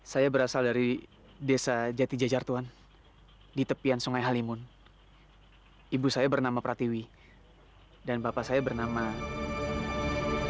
saya berasal dari desa jati jajar tuhan di tepian sungai halimun ibu saya bernama pratiwi dan bapak saya bernama